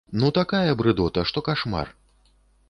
Ну такая брыдота, што кашмар.